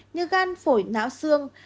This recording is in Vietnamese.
như gan phổi não xương